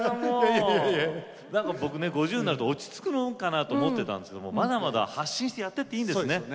僕、５０になると落ち着くものかなって思ってたんですけどもまだまだ発信してやっていっていいんですね。